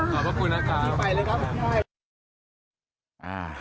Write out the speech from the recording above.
ขอบคุณค่ะจริงไปเลยครับขอบคุณค่ะ